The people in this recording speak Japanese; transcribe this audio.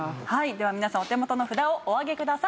では皆さんお手元の札をお上げください。